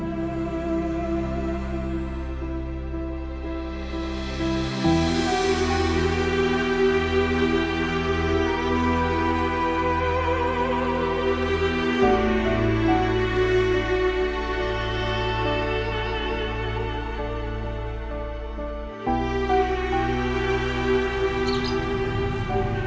yang itu yang eminim